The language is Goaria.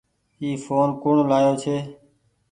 اي ڦون ڪوڻ لآيو ڇي۔